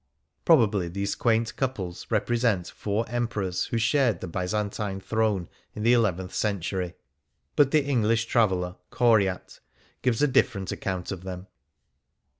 Probably these quaint couples represent four Emperors who shared the Byzantine throne in the eleventh century. But the English traveller Coryat gives a different account of them.